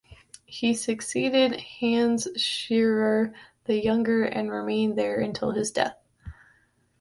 He succeeded Hans Scherer the Younger and remained there until his death.